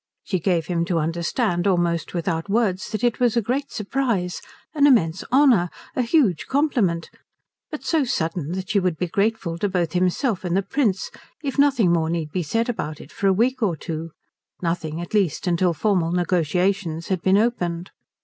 She gave him to understand almost without words that it was a great surprise, an immense honour, a huge compliment, but so sudden that she would be grateful to both himself and the Prince if nothing more need be said about it for a week or two nothing, at least, till formal negotiations had been opened.